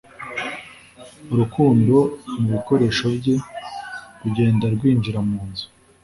urukundo mubikoresho bye rugenda rwinjira munzu,